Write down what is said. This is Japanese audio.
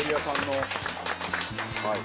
はい。